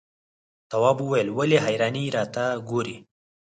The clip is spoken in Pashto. تواب وويل: ولې حیرانې راته ګوري؟